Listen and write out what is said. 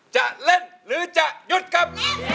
จะเล่นหรือจะหยุดครับ